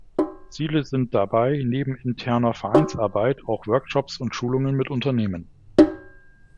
Ziele sind dabei neben interner Vereinsarbeit auch Workshops und Schulungen mit Unternehmen.